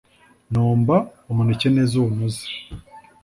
Nomba umuneke neza uwunoze